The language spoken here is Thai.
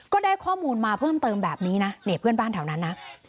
ก็ได้ข้อมูลมาเพิ่มเติมแบบนี้นะเนี่ยเพื่อนบ้านแถวนั้นนะ